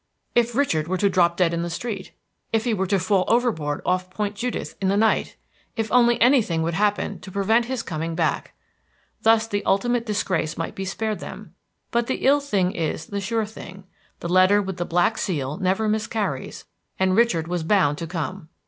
If Richard were to drop dead in the street! If he were to fall overboard off Point Judith in the night! If only anything would happen to prevent his coming back! Thus the ultimate disgrace might be spared them. But the ill thing is the sure thing; the letter with the black seal never miscarries, and Richard was bound to come!